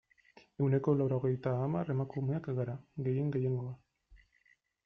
Ehuneko laurogeita hamar emakumeak gara, gehien gehiengoa.